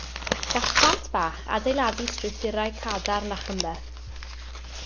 Gall plant bach adeiladu strwythurau cadarn a chymhleth.